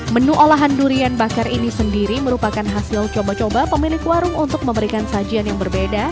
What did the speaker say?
menu olahan durian bakar ini sendiri merupakan hasil coba coba pemilik warung untuk memberikan sajian yang berbeda